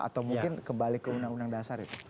atau mungkin kembali ke undang undang dasar itu